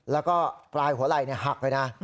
แล้วก็ปลายหัวไหล่หักเลยนะ